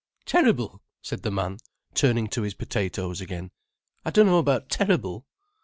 "Terrible?" said the man, turning to his potatoes again. "I dunno about terrible."